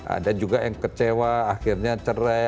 ada juga yang kecewa akhirnya cerai